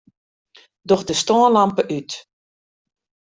Doch de stânlampe út.